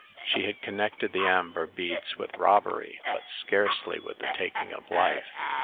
She had connected the amber beads with robbery, but scarcely with the taking of life.